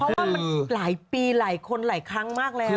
เพราะว่ามันหลายปีหลายคนหลายครั้งมากแล้ว